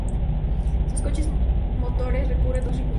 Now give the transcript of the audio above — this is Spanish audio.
Sus coches motores recorren dos circuitos.